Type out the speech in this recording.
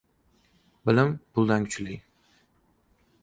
• Bilim puldan kuchli.